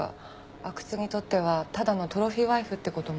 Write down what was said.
阿久津にとってはただのトロフィーワイフって事も。